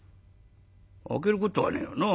あけることはねえよな。